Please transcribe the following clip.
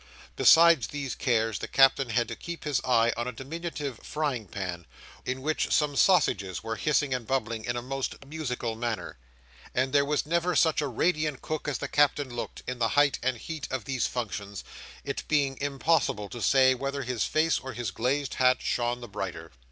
Besides these cares, the Captain had to keep his eye on a diminutive frying pan, in which some sausages were hissing and bubbling in a most musical manner; and there was never such a radiant cook as the Captain looked, in the height and heat of these functions: it being impossible to say whether his face or his glazed hat shone the brighter.